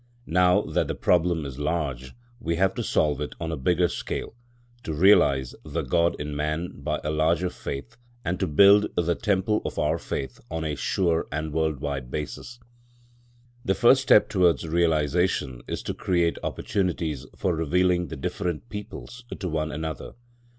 Now that the problem is large, we have to solve it on a bigger scale, to realise the God in man by a larger faith and to build the temple of our faith on a sure and world wide basis. The first step towards realisation is to create opportunities for revealing the different peoples to one another.